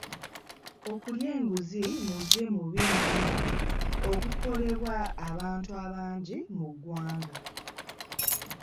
Okulya enguzi muze mubi nnyo ogukolebwa abantu abangi mu ggwanga.